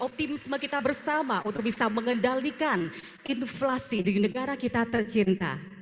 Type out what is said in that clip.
optimisme kita bersama untuk bisa mengendalikan inflasi di negara kita tercinta